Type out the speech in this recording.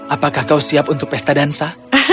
apakah kau siap untuk pesta dansa